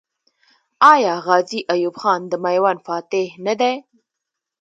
آیا غازي ایوب خان د میوند فاتح نه دی؟